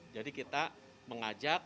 jadi kita mengajak